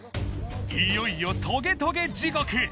いよいよトゲトゲ地獄。